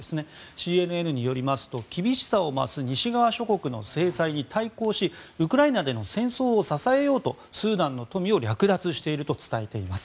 ＣＮＮによりますと厳しさを増す西側諸国の制裁に対抗しウクライナでの戦争を支えようとスーダンの富を略奪していると伝えています。